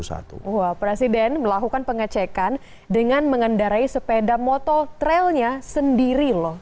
wah presiden melakukan pengecekan dengan mengendarai sepeda motor trailnya sendiri loh